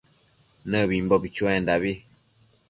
Nëbimbo chuendabi